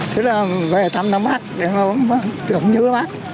thế là về tâm lăng bác để không tưởng nhớ bác